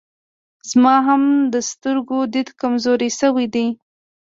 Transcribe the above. زما هم د سترګو ديد کمزوری سوی دی